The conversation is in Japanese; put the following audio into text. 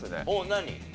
何？